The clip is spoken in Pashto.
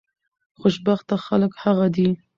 خوشبخته خلک هغه دي